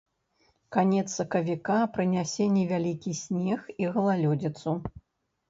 Канец сакавіка прынясе невялікі снег і галалёдзіцу.